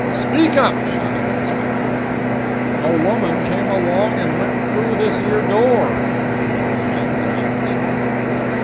"'Speak up!' shouted the inspector. "'A woman come along and went through this 'ere door,' repeated the man, monotonously.